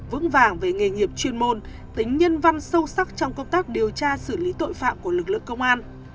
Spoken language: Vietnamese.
vững vàng về nghề nghiệp chuyên môn tính nhân văn sâu sắc trong công tác điều tra xử lý tội phạm của lực lượng công an